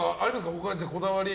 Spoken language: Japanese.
他にこだわり。